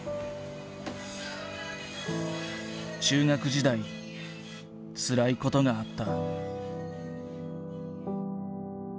中学時代つらいことがあった。